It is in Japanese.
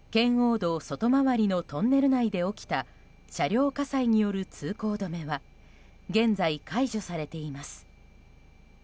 道外回りのトンネル内で起きた車両火災による通行止めは現在解除されています。